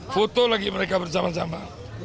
foto lagi mereka bersama sama